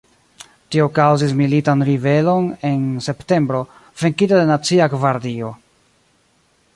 Tio kaŭzis militan ribelon en septembro, venkita de Nacia Gvardio.